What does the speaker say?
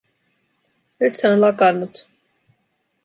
Nyt se on lakannut.